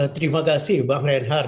terima kasih bang renhar